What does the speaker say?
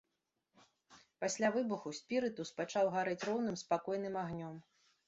Пасля выбуху спірытус пачаў гарэць роўным спакойным агнём.